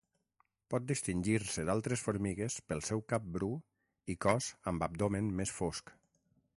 Pot distingir-se d'altres formigues pel seu cap bru i cos amb abdomen més fosc.